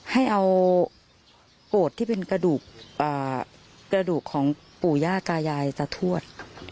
ให้เอาโกรธที่เป็นกระดูกของปู่ย่าตายายตาทวด